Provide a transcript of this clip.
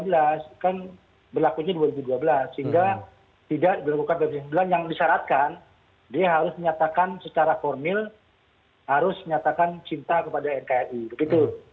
kalau di pp sembilan belas kan berlakunya dua ribu dua belas sehingga tidak dilakukan pp sembilan belas yang disyaratkan dia harus menyatakan secara formil harus menyatakan cinta kepada nkri begitu